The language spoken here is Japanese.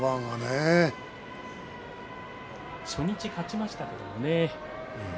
初日勝ちましたけれどもね。